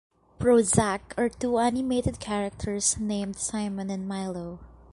Prozzak are two animated characters named Simon and Milo.